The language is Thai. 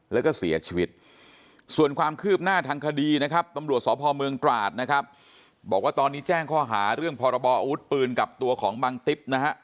แล้วก็เสียชีวิตส่วนความคืบหน้าทางคดีนะครับตำรวจสพเมืองตราดนะครับบอกว่าตอนนี้แจ้งข้อหาเรื่องพรบออาวุธปืนกับตัวของบังติ๊บนะฮะ